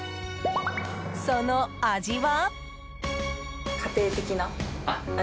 その味は。